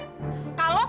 kalau sampai kamu bohong